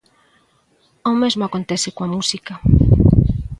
O mesmo acontece coa música.